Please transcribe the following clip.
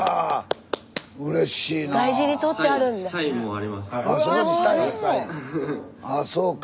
ああそうか。